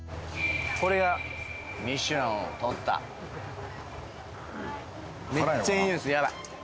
これがミシュランを取っためっちゃいい匂いするやばい